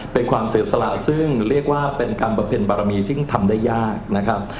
เป็นความเสียสละซึ่งเรียกว่าเป็นกรรมประเพ็ญบารมีซึ่งทำได้ยากนะครับ